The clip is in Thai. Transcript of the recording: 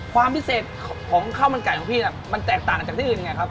ความพิเศษของข้าวมันไก่ของพี่น่ะมันแตกต่างจากที่อื่นยังไงครับ